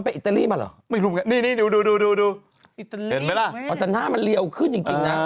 อะแต่หน้ามันเรียวขึ้นจริงนะ